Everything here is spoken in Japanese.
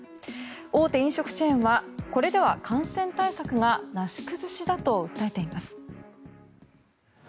大手飲食チェーンはこれでは感染対策がなし崩しだと訴えています。